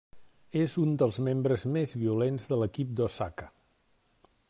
És un dels membres més violents de l'equip d'Osaka.